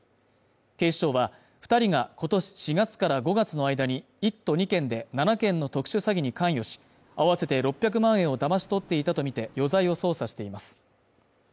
警視庁は二人がことし４月から５月の間に１都２県で７件の特殊詐欺に関与し合わせて６００万円をだまし取っていたとみて余罪を捜査しています